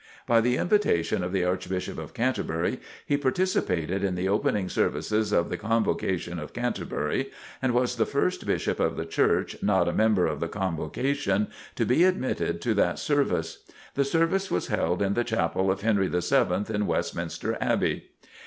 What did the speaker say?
By the invitation of the Archbishop of Canterbury, he participated in the opening services of the Convocation of Canterbury and was the first Bishop of the Church, not a member of the Convocation, to be admitted to that service. The service was held in the Chapel of Henry VII in Westminster Abbey.